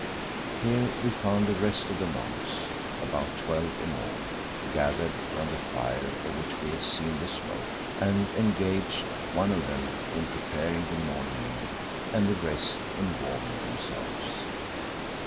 Here we found the rest of the monks, about twelve in all, gathered round the fire of which we had seen the smoke, and engaged, one of them in preparing the morning meal, and the rest in warming themselves.